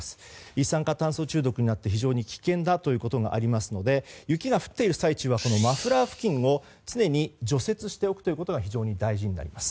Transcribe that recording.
一酸化炭素中毒になって非常に危険だということがありますので雪が降っている最中はマフラー付近を常に除雪しておくことが非常に大事になります。